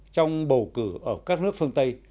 trong bầu cử ở các nước phương tây